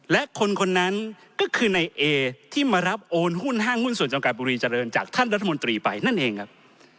และคนคนนั้นก็คือในเอที่มารับโอนหุ้นห้างหุ้นส่วนจำกัดบุรีเจริญจากท่านรัฐมนตรีไปนั่นเองครับ